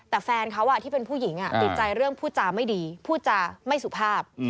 แต่แฟนเขาที่เป็นผู้หญิงติดใจเรื่องพูดจาไม่ดีพูดจาไม่สุภาพ